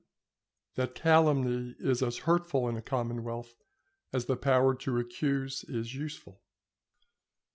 —_That Calumny is as hurtful in a Commonwealth as the power to accuse is useful.